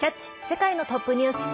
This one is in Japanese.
世界のトップニュース」。